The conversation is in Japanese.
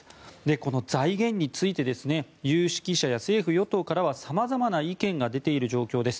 この財源について有識者や政府・与党からは様々な意見が出ている状況です。